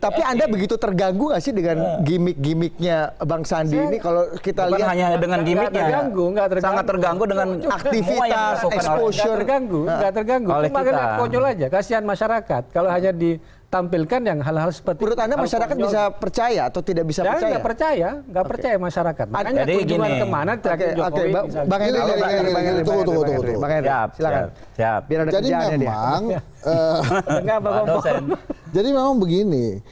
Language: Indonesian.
tapi anda begitu terganggu gak sih dengan gimmick gimmicknya bang sandi ini